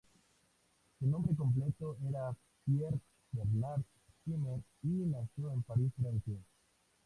Su nombre completo era Pierre Bernard Zimmer, y nació en París, Francia.